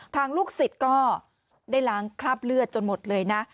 ลูกศิษย์ก็ได้ล้างคราบเลือดจนหมดเลยนะ